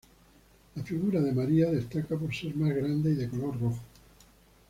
La figura de María destaca por ser más grande y de color rojo.